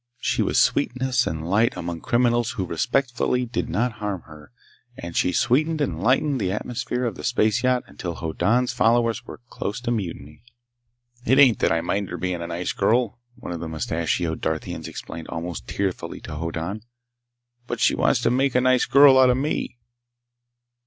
She was sweetness and light among criminals who respectfully did not harm her, and she sweetened and lightened the atmosphere of the space yacht until Hoddan's followers were close to mutiny. "It ain't that I mind her being a nice girl," one of his mustachioed Darthians explained almost tearfully to Hoddan, "but she wants to make a nice girl out of me!"